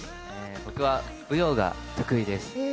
僕は舞踊が得意です。